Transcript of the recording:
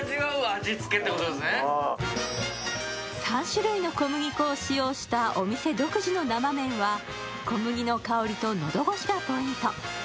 ３種類の小麦粉を使用したお店独自の生麺は、小麦の香りと喉越しがポイント。